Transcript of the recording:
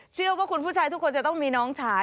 เชื่อว่าคุณผู้ชายทุกคนจะต้องมีน้องชาย